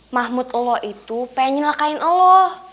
mahmud lo itu pengen nyelakain lo